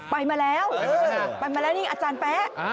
ไปมาแล้วไปมาแล้วนี่อาจารย์แป๊ะ